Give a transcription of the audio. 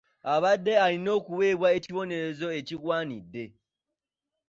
Abadde alina okuweebwa ekibonerezo ekigwanidde.